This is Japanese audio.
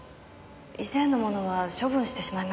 以前のものは処分してしまいました。